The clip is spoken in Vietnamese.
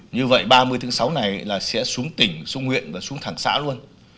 như vậy ba mươi tháng sáu này là sẽ xuống tỉnh xuống nguyện và xuống thẳng xã luôn